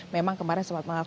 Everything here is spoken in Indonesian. memang kemarin sempat mengalami